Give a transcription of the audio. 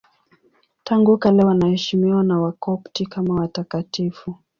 Tangu kale wanaheshimiwa na Wakopti kama watakatifu.